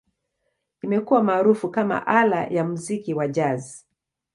Imekuwa maarufu kama ala ya muziki wa Jazz.